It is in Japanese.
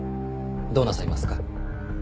どうなさいますか？